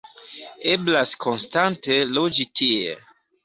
Eblas konstante loĝi tie.